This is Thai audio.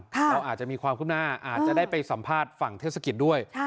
เราอาจจะมีความขึ้นหน้าอาจจะได้ไปสัมภาษณ์ฝั่งเทศกิจด้วย